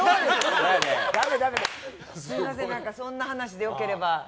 すみません、そんな話でよければ。